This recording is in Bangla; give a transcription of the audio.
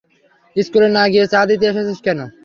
স্কুলে না গিয়ে চা দিতে এসেছিস কেন?